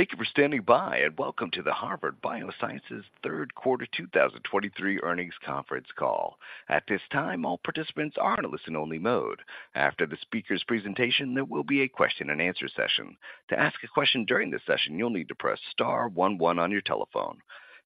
Thank you for standing by, and welcome to the Harvard Bioscience Third Quarter 2023 Earnings Conference Call. At this time, all participants are in a listen-only mode. After the speaker's presentation, there will be a question-and-answer session. To ask a question during this session, you'll need to press star one one on your telephone.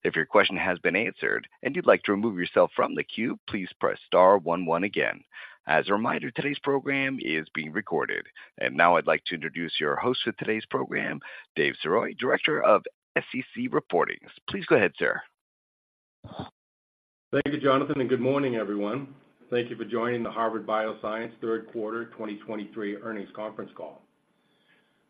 If your question has been answered and you'd like to remove yourself from the queue, please press star one one again. As a reminder, today's program is being recorded. And now I'd like to introduce your host for today's program, Dave Sirois, Director of SEC Reporting. Please go ahead, sir. Thank you, Jonathan, and good morning, everyone. Thank you for joining the Harvard Bioscience Third Quarter 2023 Earnings Conference Call.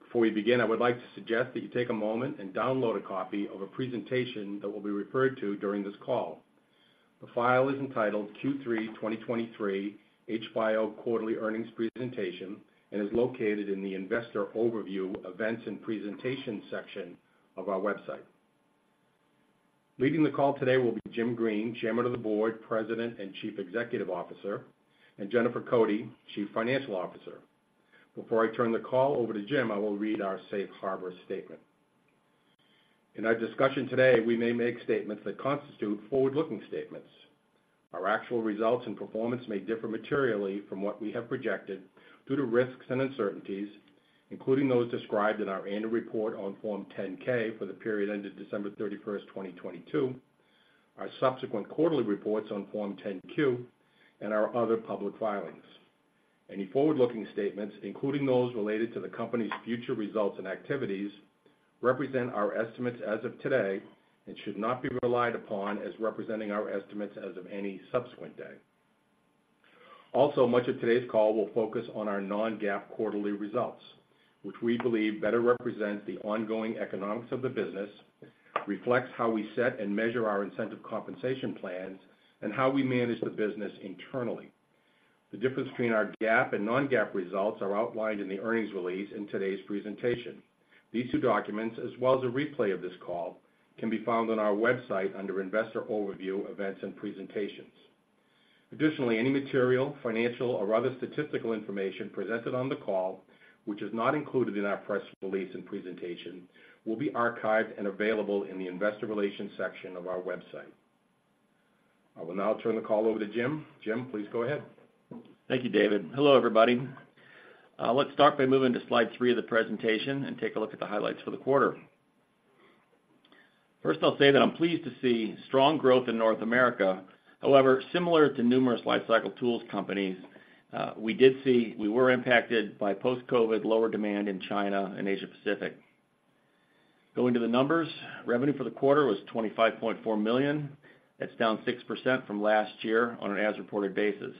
Before we begin, I would like to suggest that you take a moment and download a copy of a presentation that will be referred to during this call. The file is entitled Q3 2023 HBIO Quarterly Earnings Presentation and is located in the Investor Overview, Events, and Presentation section of our website. Leading the call today will be Jim Green, Chairman of the Board, President, and Chief Executive Officer, and Jennifer Cote, Chief Financial Officer. Before I turn the call over to Jim, I will read our safe harbor statement. In our discussion today, we may make statements that constitute forward-looking statements. Our actual results and performance may differ materially from what we have projected due to risks and uncertainties, including those described in our annual report on Form 10-K for the period ended December 31, 2022, our subsequent quarterly reports on Form 10-Q, and our other public filings. Any forward-looking statements, including those related to the company's future results and activities, represent our estimates as of today and should not be relied upon as representing our estimates as of any subsequent day. Also, much of today's call will focus on our non-GAAP quarterly results, which we believe better represent the ongoing economics of the business, reflects how we set and measure our incentive compensation plans, and how we manage the business internally. The difference between our GAAP and non-GAAP results are outlined in the earnings release in today's presentation. These two documents, as well as a replay of this call, can be found on our website under Investor Overview, Events, and Presentations. Additionally, any material, financial, or other statistical information presented on the call, which is not included in our press release and presentation, will be archived and available in the Investor Relations section of our website. I will now turn the call over to Jim. Jim, please go ahead. Thank you, David. Hello, everybody. Let's start by moving to slide three of the presentation and take a look at the highlights for the quarter. First, I'll say that I'm pleased to see strong growth in North America. However, similar to numerous lifecycle tools companies, we did see. We were impacted by post-COVID lower demand in China and Asia Pacific. Going to the numbers, revenue for the quarter was $25.4 million. That's down 6% from last year on an as-reported basis.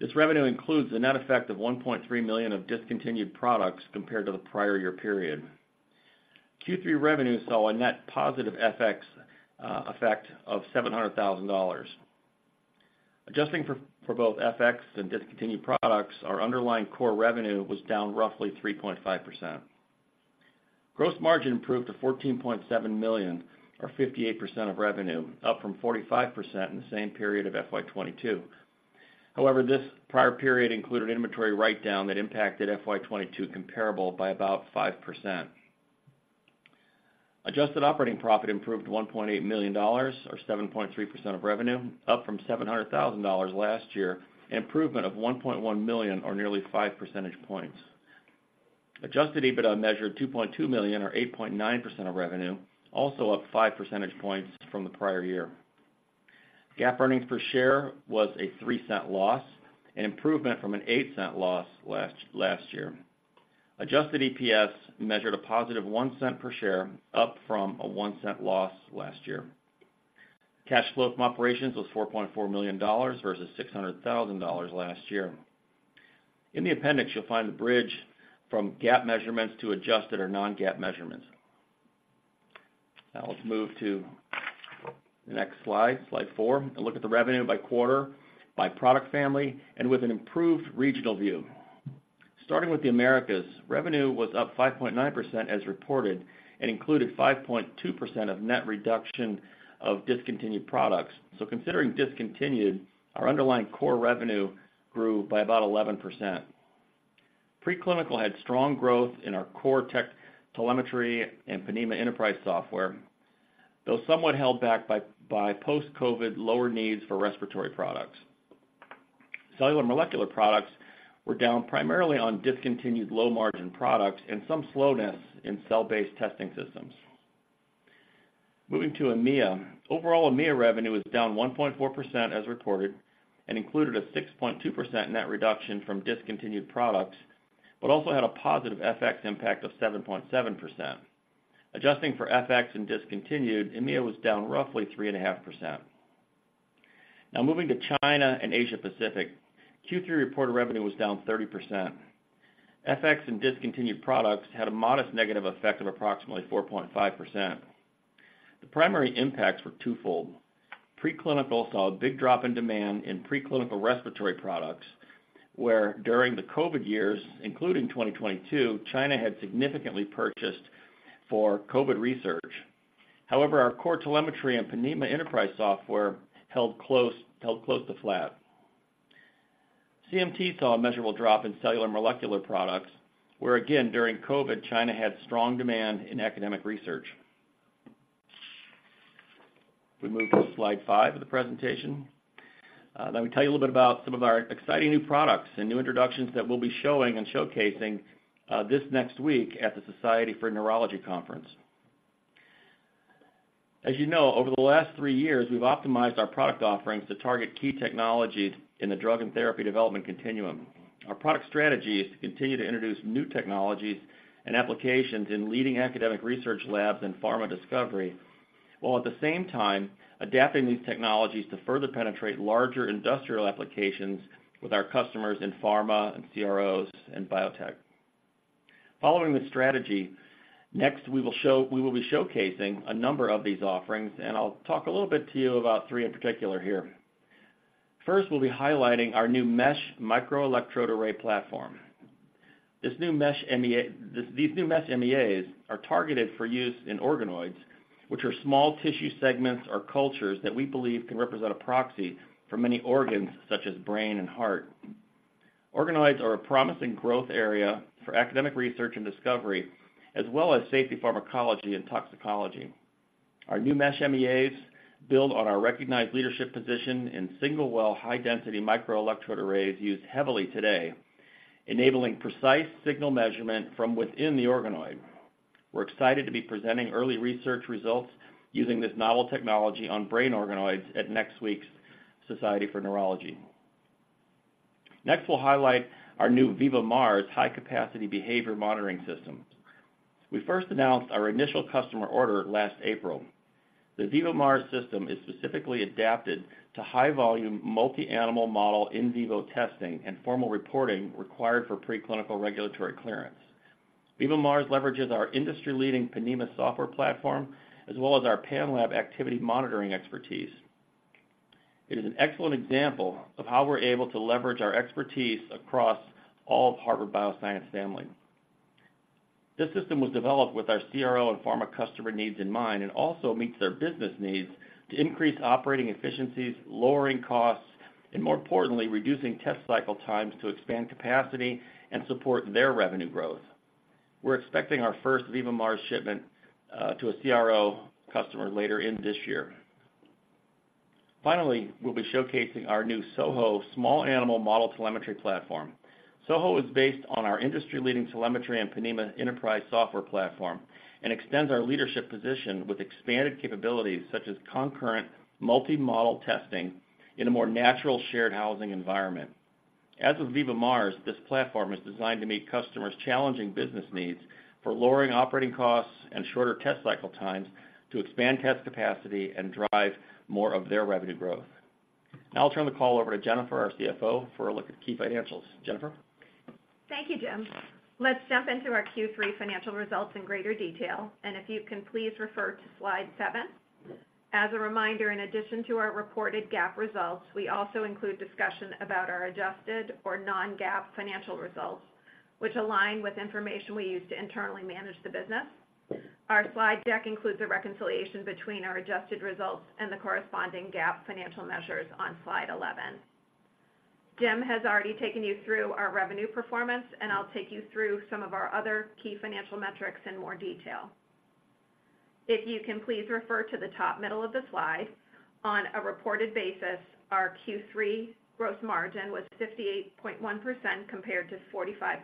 This revenue includes a net effect of $1.3 million of discontinued products compared to the prior year period. Q3 revenue saw a net positive FX effect of $700,000. Adjusting for both FX and discontinued products, our underlying core revenue was down roughly 3.5%. Gross margin improved to $14.7 million, or 58% of revenue, up from 45% in the same period of FY 2022. However, this prior period included inventory write-down that impacted FY 2022 comparable by about 5%. Adjusted operating profit improved $1.8 million or 7.3% of revenue, up from $700,000 last year, an improvement of $1.1 million or nearly five percentage points. Adjusted EBITDA measured $2.2 million or 8.9% of revenue, also up five percentage points from the prior year. GAAP earnings per share was a $0.03 loss, an improvement from an $0.08 loss last year. Adjusted EPS measured a positive $0.01 per share, up from a $0.01 loss last year. Cash flow from operations was $4.4 million, versus $600,000 last year. In the appendix, you'll find the bridge from GAAP measurements to adjusted or non-GAAP measurements. Now, let's move to the next slide, slide four, and look at the revenue by quarter, by product family, and with an improved regional view. Starting with the Americas, revenue was up 5.9% as reported, and included 5.2% of net reduction of discontinued products. Considering discontinued, our underlying core revenue grew by about 11%. Preclinical had strong growth in our core tech telemetry and Ponemah Enterprise software, though somewhat held back by post-COVID, lower needs for respiratory products. Cellular molecular products were down primarily on discontinued low-margin products and some slowness in cell-based testing systems. Moving to EMEA. Overall, EMEA revenue was down 1.4% as reported and included a 6.2% net reduction from discontinued products, but also had a positive FX impact of 7.7%. Adjusting for FX and discontinued, EMEA was down roughly 3.5%. Now moving to China and Asia Pacific, Q3 reported revenue was down 30%. FX and discontinued products had a modest negative effect of approximately 4.5%. The primary impacts were twofold. Preclinical saw a big drop in demand in preclinical respiratory products, where during the COVID years, including 2022, China had significantly purchased for COVID research. However, our core telemetry and Ponemah Enterprise software held close to flat. CMT saw a measurable drop in cellular molecular products, where again, during COVID, China had strong demand in academic research. We move to slide five of the presentation, let me tell you a little bit about some of our exciting new products and new introductions that we'll be showing and showcasing, this next week at the Society for Neuroscience Conference. As you know, over the last three years, we've optimized our product offerings to target key technologies in the drug and therapy development continuum. Our product strategy is to continue to introduce new technologies and applications in leading academic research labs and pharma discovery, while at the same time adapting these technologies to further penetrate larger industrial applications with our customers in pharma and CROs and biotech. Following this strategy, next, we will be showcasing a number of these offerings, and I'll talk a little bit to you about three in particular here. First, we'll be highlighting our new Mesh Microelectrode Array platform. This new Mesh MEA, this, these new Mesh MEAs are targeted for use in organoids, which are small tissue segments or cultures that we believe can represent a proxy for many organs, such as brain and heart. Organoids are a promising growth area for academic research and discovery, as well as safety pharmacology and toxicology. Our new Mesh MEAs build on our recognized leadership position in single-well, high-density microelectrode arrays used heavily today, enabling precise signal measurement from within the organoid. We're excited to be presenting early research results using this novel technology on brain organoids at next week's Society for Neuroscience. Next, we'll highlight our new VivaMARS high-capacity behavior monitoring system. We first announced our initial customer order last April. The VivaMARS system is specifically adapted to high-volume, multi-animal model in vivo testing and formal reporting required for preclinical regulatory clearance. VivaMARS leverages our industry-leading Ponemah software platform, as well as our Panlab activity monitoring expertise. It is an excellent example of how we're able to leverage our expertise across all of Harvard Bioscience family. This system was developed with our CRO and pharma customer needs in mind and also meets their business needs to increase operating efficiencies, lowering costs, and more importantly, reducing test cycle times to expand capacity and support their revenue growth. We're expecting our first VivaMARS shipment to a CRO customer later in this year. Finally, we'll be showcasing our new SoHo small animal model telemetry platform. SoHo is based on our industry-leading telemetry and Ponemah Enterprise software platform and extends our leadership position with expanded capabilities, such as concurrent multi-model testing in a more natural shared housing environment. As with VivaMARS, this platform is designed to meet customers' challenging business needs for lowering operating costs and shorter test cycle times to expand test capacity and drive more of their revenue growth. Now I'll turn the call over to Jennifer, our CFO, for a look at key financials. Jennifer? Thank you, Jim. Let's jump into our Q3 financial results in greater detail, and if you can, please refer to slide 7. As a reminder, in addition to our reported GAAP results, we also include discussion about our adjusted or non-GAAP financial results, which align with information we use to internally manage the business. Our slide deck includes a reconciliation between our adjusted results and the corresponding GAAP financial measures on slide 11. Jim has already taken you through our revenue performance, and I'll take you through some of our other key financial metrics in more detail. If you can, please refer to the top middle of the slide. On a reported basis, our Q3 gross margin was 58.1%, compared to 45.2%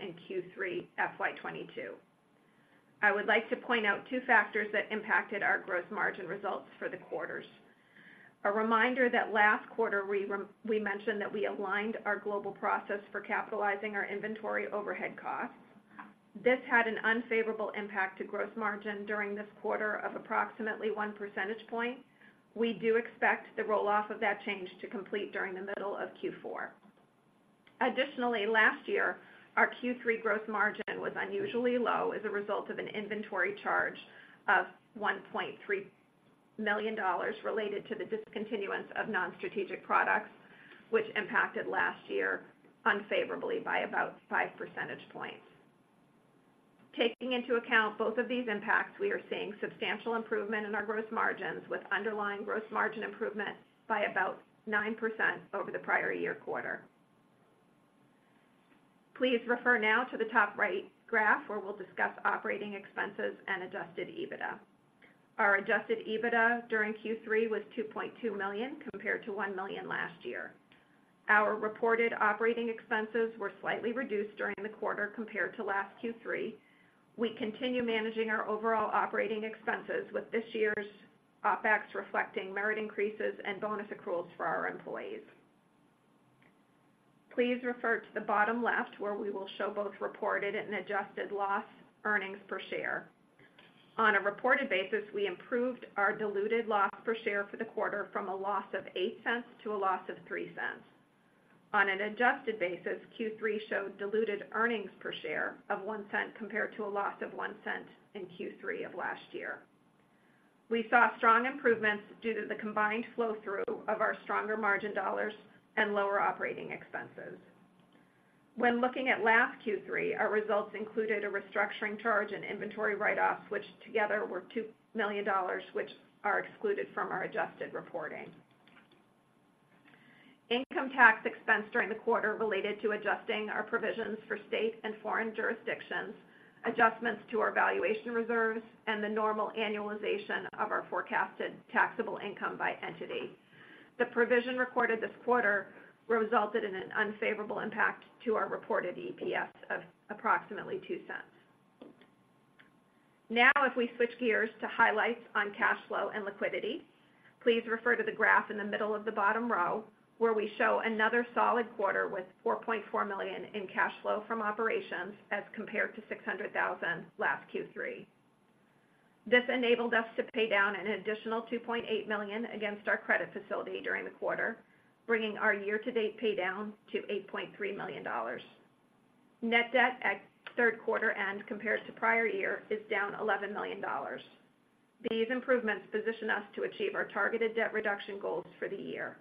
in Q3 FY 2022. I would like to point out two factors that impacted our gross margin results for the quarters. A reminder that last quarter, we mentioned that we aligned our global process for capitalizing our inventory overhead costs. This had an unfavorable impact to gross margin during this quarter of approximately one percentage point. We do expect the roll-off of that change to complete during the middle of Q4. Additionally, last year, our Q3 gross margin was unusually low as a result of an inventory charge of $1.3 million related to the discontinuance of non-strategic products, which impacted last year unfavorably by about five percentage points. Taking into account both of these impacts, we are seeing substantial improvement in our gross margins, with underlying gross margin improvement by about 9% over the prior year quarter. Please refer now to the top right graph, where we'll discuss operating expenses and adjusted EBITDA. Our adjusted EBITDA during Q3 was $2.2 million, compared to $1 million last year. Our reported operating expenses were slightly reduced during the quarter compared to last Q3. We continue managing our overall operating expenses, with this year's OpEx reflecting merit increases and bonus accruals for our employees. Please refer to the bottom left, where we will show both reported and adjusted loss earnings per share. On a reported basis, we improved our diluted loss per share for the quarter from a loss of $0.08 to a loss of $0.03. On an adjusted basis, Q3 showed diluted earnings per share of $0.01, compared to a loss of $0.01 in Q3 of last year. We saw strong improvements due to the combined flow-through of our stronger margin dollars and lower operating expenses. When looking at last Q3, our results included a restructuring charge and inventory write-offs, which together were $2 million, which are excluded from our adjusted reporting. Income tax expense during the quarter related to adjusting our provisions for state and foreign jurisdictions, adjustments to our valuation reserves, and the normal annualization of our forecasted taxable income by entity. The provision recorded this quarter resulted in an unfavorable impact to our reported EPS of approximately $0.02. Now, if we switch gears to highlights on cash flow and liquidity, please refer to the graph in the middle of the bottom row, where we show another solid quarter with $4.4 million in cash flow from operations, as compared to $600,000 last Q3. This enabled us to paydown an additional $2.8 million against our credit facility during the quarter, bringing our year-to-date paydown to $8.3 million. Net debt at third quarter end, compared to prior year, is down $11 million. These improvements position us to achieve our targeted debt reduction goals for the year.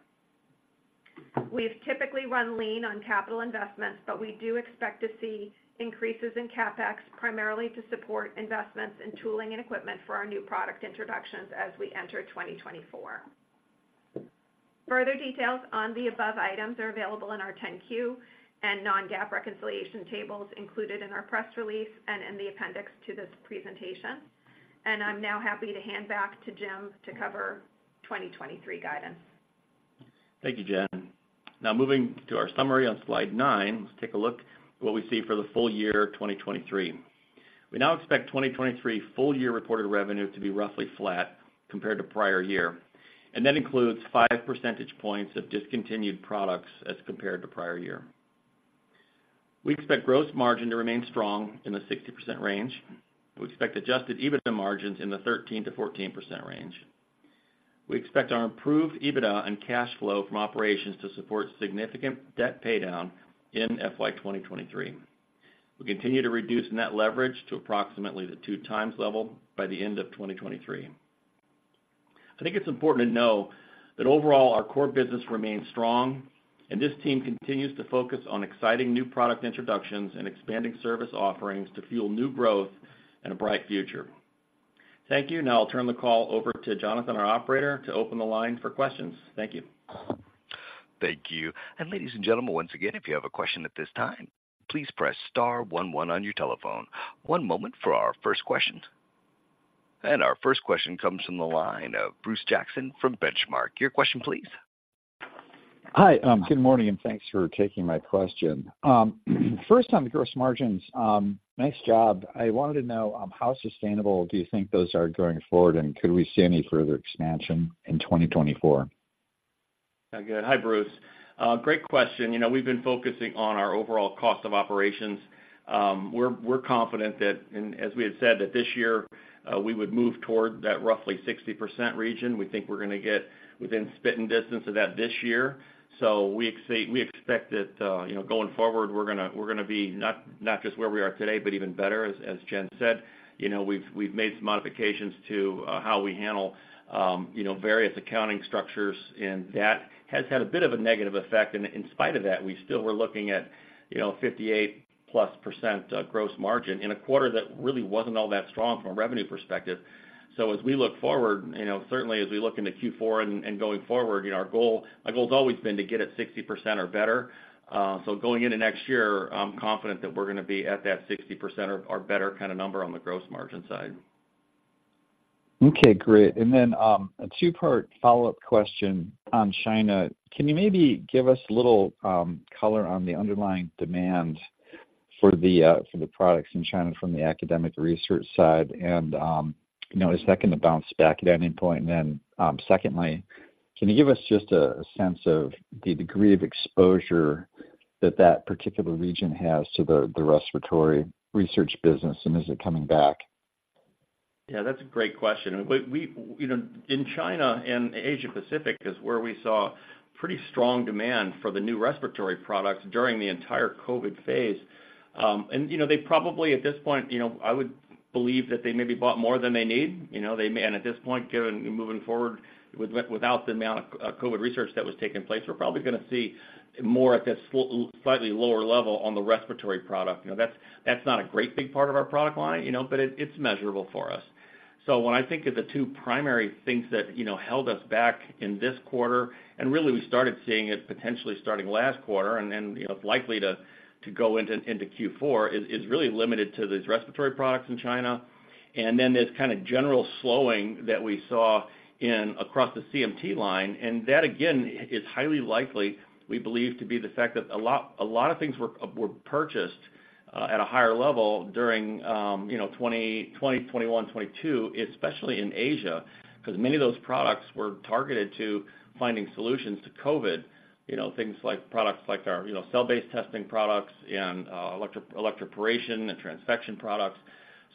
We've typically run lean on capital investments, but we do expect to see increases in CapEx, primarily to support investments in tooling and equipment for our new product introductions as we enter 2024. Further details on the above items are available in our 10-Q and non-GAAP reconciliation tables included in our press release and in the appendix to this presentation. I'm now happy to hand back to Jim to cover 2023 guidance. Thank you, Jen. Now, moving to our summary on slide 9, let's take a look at what we see for the full year 2023. We now expect 2023 full year reported revenue to be roughly flat compared to prior year, and that includes five percentage points of discontinued products as compared to prior year. We expect gross margin to remain strong in the 60% range. We expect adjusted EBITDA margins in the 13%-14% range. We expect our improved EBITDA and cash flow from operations to support significant debt paydown in FY 2023. We continue to reduce net leverage to approximately the 2x level by the end of 2023. I think it's important to know that overall, our core business remains strong, and this team continues to focus on exciting new product introductions and expanding service offerings to fuel new growth and a bright future. Thank you. Now, I'll turn the call over to Jonathan, our operator, to open the line for questions. Thank you. Thank you. Ladies and gentlemen, once again, if you have a question at this time, please press star one one on your telephone. One moment for our first question. Our first question comes from the line of Bruce Jackson from Benchmark. Your question, please. Hi, good morning, and thanks for taking my question. First, on the gross margins, nice job. I wanted to know, how sustainable do you think those are going forward, and could we see any further expansion in 2024? Good. Hi, Bruce. Great question. You know, we've been focusing on our overall cost of operations. We're, we're confident that, and as we had said, that this year, we would move toward that roughly 60% region. We think we're gonna get within spitting distance of that this year. So we expect that, you know, going forward, we're gonna, we're gonna be not, not just where we are today, but even better, as, as Jen said. You know, we've, we've made some modifications to, how we handle, you know, various accounting structures, and that has had a bit of a negative effect. And in spite of that, we still were looking at, you know, 58%+ gross margin in a quarter that really wasn't all that strong from a revenue perspective. So as we look forward, you know, certainly as we look into Q4 and going forward, you know, our goal's always been to get at 60% or better. So going into next year, I'm confident that we're gonna be at that 60% or better kind of number on the gross margin side. Okay, great. And then, a two-part follow-up question on China. Can you maybe give us a little color on the underlying demand for the products in China from the academic research side? And, you know, is that going to bounce back at any point? And then, secondly, can you give us just a sense of the degree of exposure that that particular region has to the respiratory research business, and is it coming back? Yeah, that's a great question. We you know, in China and Asia Pacific is where we saw pretty strong demand for the new respiratory products during the entire COVID phase. And, you know, they probably, at this point, you know, I would believe that they maybe bought more than they need, you know. They, and at this point, given moving forward without the amount of COVID research that was taking place, we're probably gonna see more at this slightly lower level on the respiratory product. You know, that's not a great big part of our product line, you know, but it, it's measurable for us. So when I think of the two primary things that, you know, held us back in this quarter, and really we started seeing it potentially starting last quarter, and then, you know, it's likely to go into Q4, is really limited to these respiratory products in China, and then this kind of general slowing that we saw across the CMT line. And that, again, is highly likely, we believe, to be the fact that a lot of things were purchased at a higher level during, you know, 2020, 2021, 2022, especially in Asia. Because many of those products were targeted to finding solutions to COVID, you know, things like products like our, you know, cell-based testing products and electroporation and transfection products.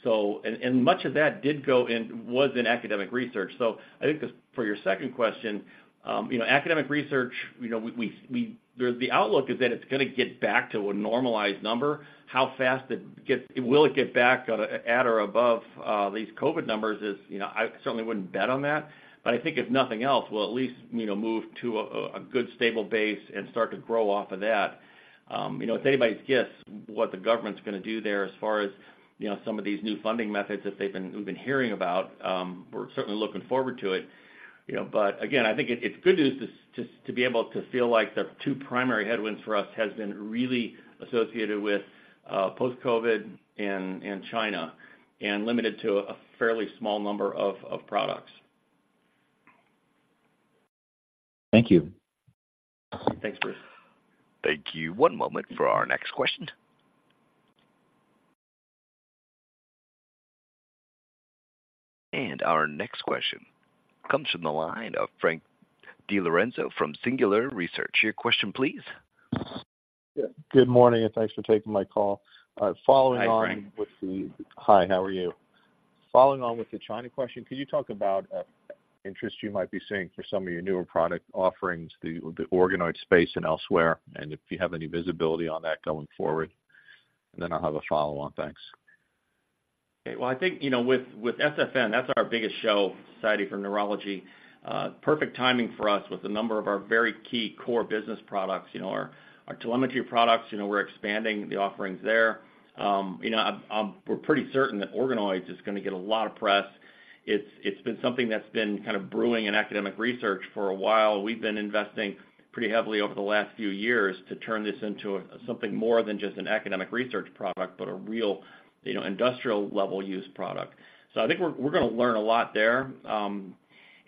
So and much of that did go in, was in academic research. So I think for your second question, you know, academic research, you know, we, there's the outlook is that it's gonna get back to a normalized number. How fast it gets. Will it get back at or above these COVID numbers is, you know, I certainly wouldn't bet on that. But I think if nothing else, we'll at least, you know, move to a good, stable base and start to grow off of that. You know, it's anybody's guess what the government's gonna do there as far as, you know, some of these new funding methods that they've been—we've been hearing about. We're certainly looking forward to it. You know, but again, I think it, it's good news to just to be able to feel like the two primary headwinds for us has been really associated with post-COVID and China, and limited to a fairly small number of products. Thank you. Thanks, Bruce. Thank you. One moment for our next question. Our next question comes from the line of Frank DiLorenzo from Singular Research. Your question, please. Good morning, and thanks for taking my call. Following on. Hi, Frank. Hi, how are you? Following on with the China question, could you talk about interest you might be seeing for some of your newer product offerings, the organoid space and elsewhere, and if you have any visibility on that going forward? And then I'll have a follow-on. Thanks. Okay. Well, I think, you know, with SfN, that's our biggest show, Society for Neuroscience. Perfect timing for us with a number of our very key core business products. You know, our telemetry products, you know, we're expanding the offerings there. You know, I'm-- we're pretty certain that organoids is gonna get a lot of press. It's, it's been something that's been kind of brewing in academic research for a while. We've been investing pretty heavily over the last few years to turn this into something more than just an academic research product, but a real, you know, industrial-level use product. So I think we're, we're gonna learn a lot there.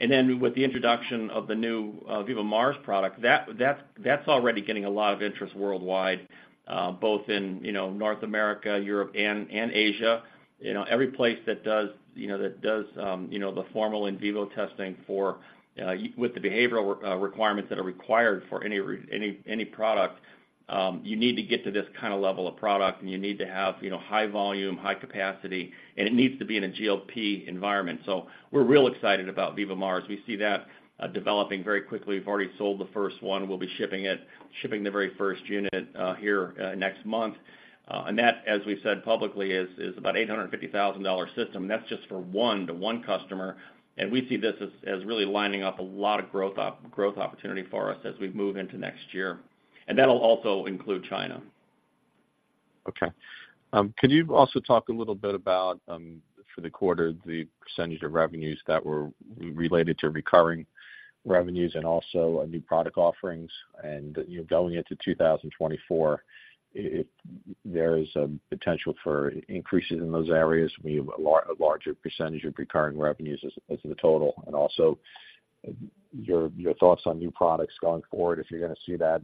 And then with the introduction of the new VivaMARS product, that's already getting a lot of interest worldwide, both in, you know, North America, Europe, and Asia. You know, every place that does, you know, that does, the formal in vivo testing for, with the behavioral requirements that are required for any, any product, you need to get to this kind of level of product, and you need to have, you know, high volume, high capacity, and it needs to be in a GLP environment. So we're real excited about VivaMARS. We see that, developing very quickly. We've already sold the first one. We'll be shipping it, shipping the very first unit, here, next month. And that, as we've said publicly, is, is about $850,000 system. That's just for one, to one customer, and we see this as, as really lining up a lot of growth opportunity for us as we move into next year. That'll also include China. Okay. Could you also talk a little bit about, for the quarter, the percentage of revenues that were related to recurring revenues and also new product offerings and, you know, going into 2024, if there is a potential for increases in those areas, will you have a larger percentage of recurring revenues as the total? And also, your thoughts on new products going forward, if you're gonna see that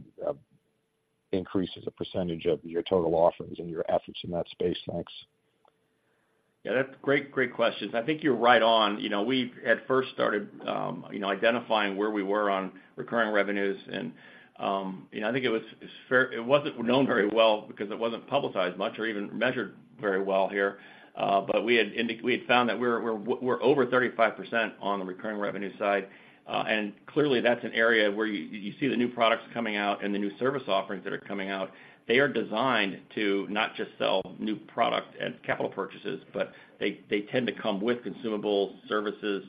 increase as a percentage of your total offerings and your efforts in that space. Thanks. Yeah, that's great, great questions. I think you're right on. You know, we at first started, you know, identifying where we were on recurring revenues, and, you know, I think it was, it's fair-- it wasn't known very well because it wasn't publicized much or even measured very well here. But we had found that we're over 35% on the recurring revenue side. And clearly, that's an area where you see the new products coming out and the new service offerings that are coming out, they are designed to not just sell new product at capital purchases, but they tend to come with consumables, services,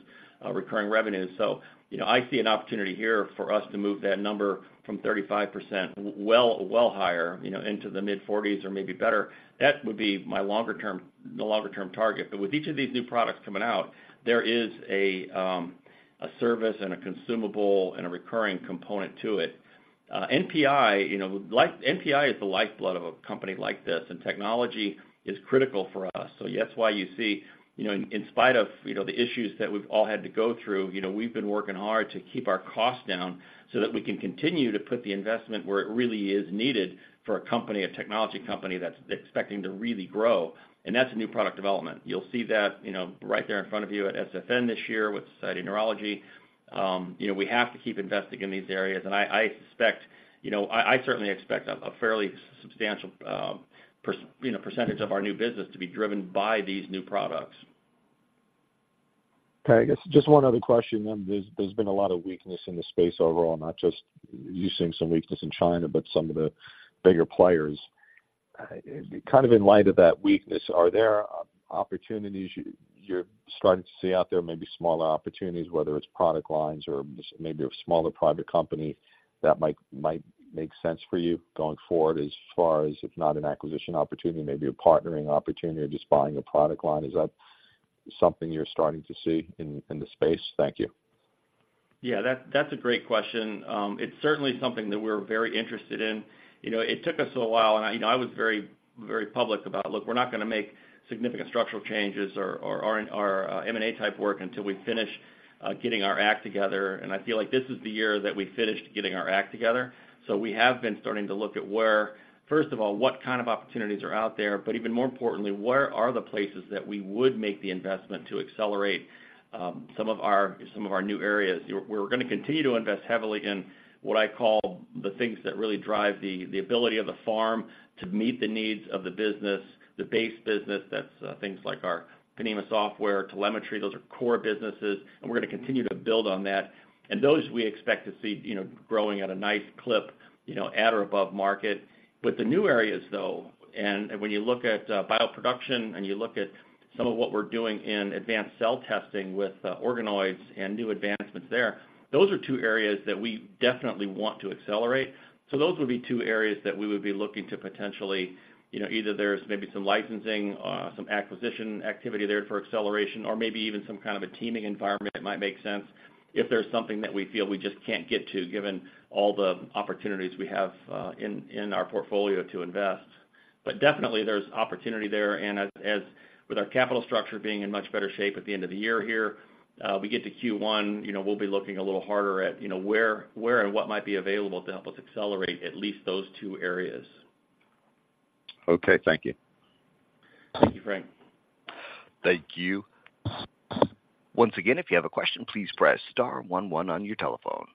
recurring revenues. So, you know, I see an opportunity here for us to move that number from 35% well higher, you know, into the mid-40s or maybe better. That would be my longer term, the longer-term target. But with each of these new products coming out, there is a, a service and a consumable and a recurring component to it. NPI, you know, like, NPI is the lifeblood of a company like this, and technology is critical for us. So that's why you see, you know, in spite of, you know, the issues that we've all had to go through, you know, we've been working hard to keep our costs down so that we can continue to put the investment where it really is needed for a company, a technology company that's expecting to really grow, and that's a new product development. You'll see that, you know, right there in front of you at SfN this year with Society for Neuroscience. You know, we have to keep investing in these areas, and I expect, you know. I certainly expect a fairly substantial, you know, percentage of our new business to be driven by these new products. Okay, I guess just one other question then. There's been a lot of weakness in the space overall, not just you seeing some weakness in China, but some of the bigger players. Kind of in light of that weakness, are there opportunities you're starting to see out there, maybe smaller opportunities, whether it's product lines or maybe a smaller private company that might make sense for you going forward as far as, if not an acquisition opportunity, maybe a partnering opportunity or just buying a product line? Is that something you're starting to see in the space? Thank you. Yeah, that's a great question. It's certainly something that we're very interested in. You know, it took us a little while, and, you know, I was very, very public about, "Look, we're not gonna make significant structural changes or M&A type work until we finish getting our act together." And I feel like this is the year that we finished getting our act together. So we have been starting to look at where, first of all, what kind of opportunities are out there, but even more importantly, where are the places that we would make the investment to accelerate some of our new areas? We're gonna continue to invest heavily in what I call the things that really drive the ability of the pharma to meet the needs of the business, the base business. That's things like our Ponemah software, telemetry. Those are core businesses, and we're gonna continue to build on that. And those we expect to see, you know, growing at a nice clip, you know, at or above market. But the new areas, though, and when you look at bioproduction and you look at some of what we're doing in advanced cell testing with organoids and new advancements there, those are two areas that we definitely want to accelerate. So those would be two areas that we would be looking to potentially, you know, either there's maybe some licensing, some acquisition activity there for acceleration or maybe even some kind of a teaming environment that might make sense if there's something that we feel we just can't get to, given all the opportunities we have in our portfolio to invest. But definitely there's opportunity there, and as with our capital structure being in much better shape at the end of the year here, we get to Q1, you know, we'll be looking a little harder at, you know, where and what might be available to help us accelerate at least those two areas. Okay. Thank you. Thank you, Frank. Thank you. Once again, if you have a question, please press star one one on your telephone.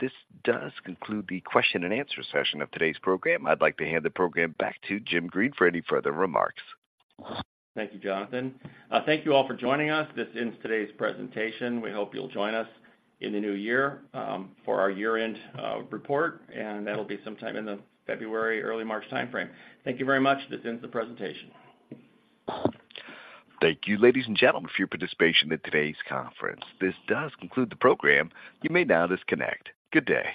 This does conclude the question and answer session of today's program. I'd like to hand the program back to Jim Green for any further remarks. Thank you, Jonathan. Thank you all for joining us. This ends today's presentation. We hope you'll join us in the new year, for our year-end report, and that'll be sometime in the February, early March timeframe. Thank you very much. This ends the presentation. Thank you, ladies and gentlemen, for your participation in today's conference. This does conclude the program. You may now disconnect. Good day.